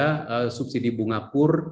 mendapatkan dan juga subsidi bunga pur